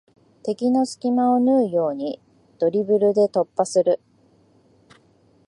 敵の隙間を縫うようにドリブルで突破する